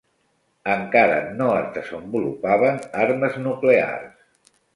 Encara no es desenvolupaven armes nuclears.